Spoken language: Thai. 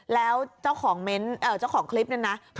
แล้วเจ้าของคลิปนะนะ